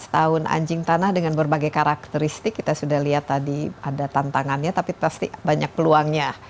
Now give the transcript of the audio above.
lima belas tahun anjing tanah dengan berbagai karakteristik kita sudah lihat tadi ada tantangannya tapi pasti banyak peluangnya